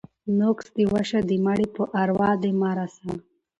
ـ نقص دې وشه ، د مړي په اروا دې مه رسه.